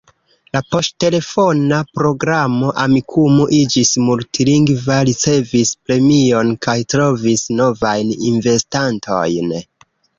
La poŝtelefona programo Amikumu iĝis multlingva, ricevis premion kaj trovis novajn investantojn.